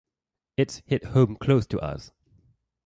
It's hit home close to us.